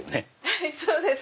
はいそうです。